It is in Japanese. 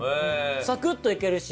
サクッといけるし。